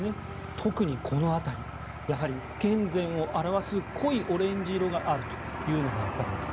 特にこの辺りやはり不健全を表す濃いオレンジ色があるというのが分かります。